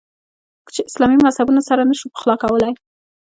موږ چې اسلامي مذهبونه سره نه شو پخلا کولای.